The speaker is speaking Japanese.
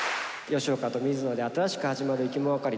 吉岡と水野で新しく始まるいきものがかり。